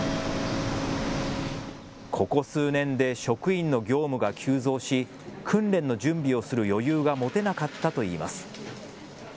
ここ数年で職員の業務が急増し訓練の準備をする余裕が持てなかったといいます。